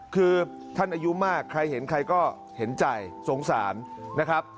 คือท่านอายุมากใครเห็นใครก็เห็นใจสงสารนะครับ